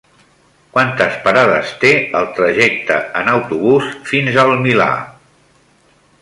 Quantes parades té el trajecte en autobús fins al Milà?